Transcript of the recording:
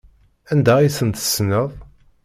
Anda ay tent-tessneḍ?